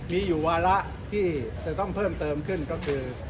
มีอยู่วาระที่จะต้องเพิ่มเติมขึ้นก็คือ